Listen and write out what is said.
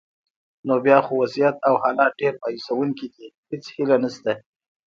نو بیا خو وضعیت او حالات ډېر مایوسونکي دي، هیڅ هیله نشته.